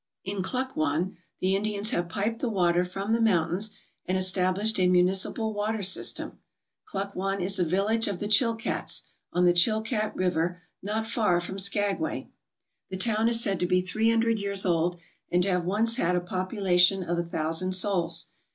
In Klukwan the Indians have piped the water from the mountains and established a municipal water system. Klukwan is a village of the Chilkats, on the Chilkat River not far from Skagway, The town is said to be three hundred years old and to have once had a population of a thousand souls.